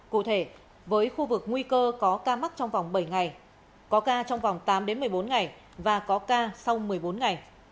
cụ thể với khu vực nguy cơ có ca mắc trong vòng bảy ngày có ca trong vòng tám một mươi bốn ngày và có ca sau một mươi bốn ngày